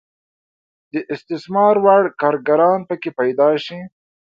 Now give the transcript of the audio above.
د استثمار وړ کارګران پکې پیدا شي.